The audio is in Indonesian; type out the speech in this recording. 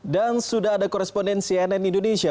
dan sudah ada korespondensi cnn indonesia